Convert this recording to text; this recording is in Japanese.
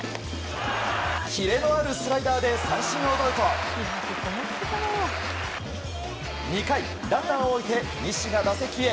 キレのあるスライダーで三振を奪うと２回、ランナーを置いて西が打席へ。